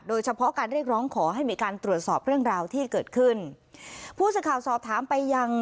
โดยเฉพาะการเรียกร้องขอให้มีการตรวจสอบเรื่องราวที่เกิดขึ้นผู้สื่อข่าวสอบถามไปยัง